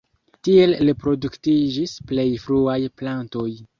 Tiel reproduktiĝis plej fruaj plantoj.